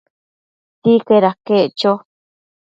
Sicaid aquec cho